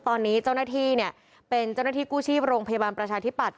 ตอนนี้เจ้าหน้าที่เป็นเจ้าหน้าที่กู้ชีพโรงพยาบาลประชาธิปัตย